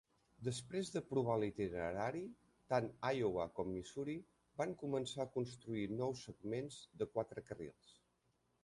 Després d'aprovar l'itinerari, tant Iowa com Missouri van començar a construir nous segments de quatre carrils.